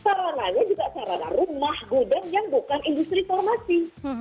sarananya juga sarana rumah gudang yang bukan industri farmasi